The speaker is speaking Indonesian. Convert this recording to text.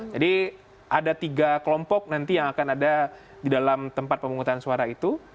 jadi ada tiga kelompok nanti yang akan ada di dalam tempat pemungutan suara itu